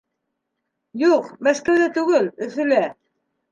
Юҡ, Мәскәүҙә түгел, Өфөлә.